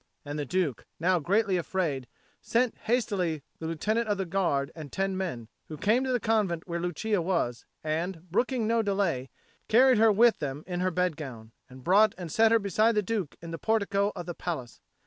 And the Duke, now greatly afraid, sent hastily the Lieutenant of the Guard and ten men, who came to the convent where Lucia was, and, brooking no delay, carried her with them in her bedgown, and brought and set her beside the Duke in the portico of the palace.